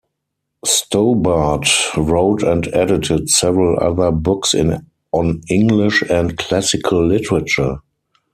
Stobart wrote and edited several other books on English and Classical literature.